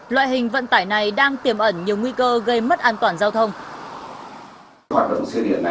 loại hình vận tải này đang tiềm ẩn nhiều nguy cơ gây mất an toàn giao thông